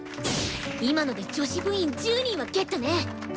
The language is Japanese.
今ので女子部員１０人はゲットね！